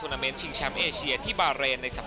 ว่าเขาเล่นกับพวกเอเชียงเลยครับ